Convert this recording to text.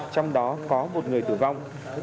trong đó có một người tử vong